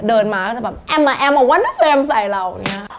เดินมาก็จะแบบอัมมาอัมมาวันเดอร์เฟรมใส่เรา